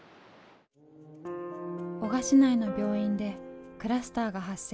男鹿市内の病院でクラスターが発生。